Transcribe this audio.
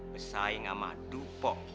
bersaing sama dupo